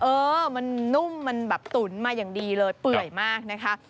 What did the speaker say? เออมันนุ่มมันแบบตุ๋นมาอย่างดีเลยเปื่อยมากนะคะ